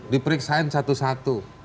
di periksaan satu satu